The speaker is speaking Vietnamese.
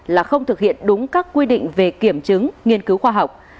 là không thực hiện đúng các quy định về kiểm chứng nghiên cứu khoa học